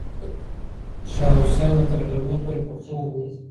شاه حسین به تر غرمې پورې په خوب و.